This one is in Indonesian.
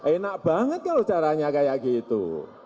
enak banget kalau caranya kayak gitu